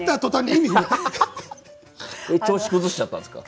調子崩しちゃったんですか。